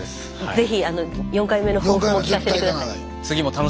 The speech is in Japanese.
是非４回目の抱負も聞かせて下さい。